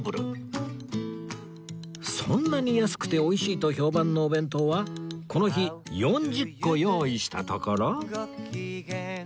そんなに安くて美味しいと評判のお弁当はこの日４０個用意したところ